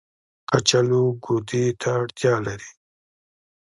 کچالو ګودې ته اړتيا لري